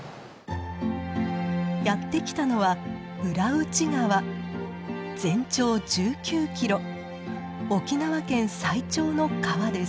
やって来たのは全長１９キロ沖縄県最長の川です。